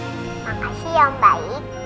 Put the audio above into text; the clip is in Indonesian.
terima kasih yang baik